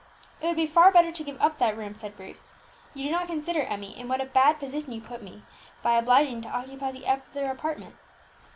"It would be far better to give up that room," said Bruce. "You do not consider, Emmie, in what a bad position you put me by obliging me to occupy the other apartment."